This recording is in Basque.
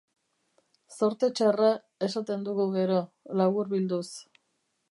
Zorte txarra, esaten dugu gero, laburbilduz.